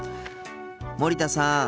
森田さん。